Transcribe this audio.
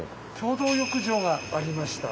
共同浴場がありました。